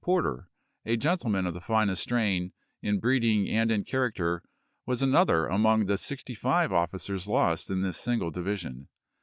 Porter, a gentleman of the finest strain, in breeding and in character, was another among the sixty five officers lost in this single division.